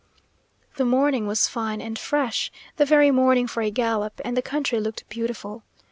The morning was fine and fresh, the very morning for a gallop, and the country looked beautiful.